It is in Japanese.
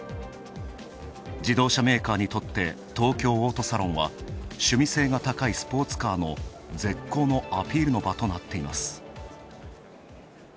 自動車メーカーにとって東京オートサロンは趣味性が高いスポーツカーの絶好のアピールの場となっています。